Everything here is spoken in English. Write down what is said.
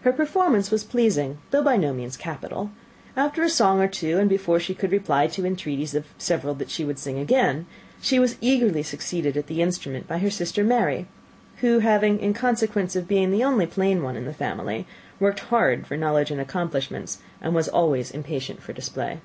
Her performance was pleasing, though by no means capital. After a song or two, and before she could reply to the entreaties of several that she would sing again, she was eagerly succeeded at the instrument by her sister Mary, who having, in consequence of being the only plain one in the family, worked hard for knowledge and accomplishments, was always impatient for display.